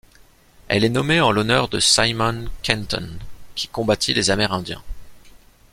Elle est nommée en l'honneur de Simon Kenton, qui combattit les amérindiens.